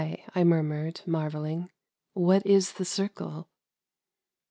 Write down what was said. " I murmured, marveling. ... "What is the Circle?''